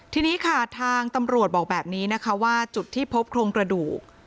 ทีนี้ค่ะทางตำรวจบอกแบบนี้นะคะว่าจุดที่พบโครงกระดูก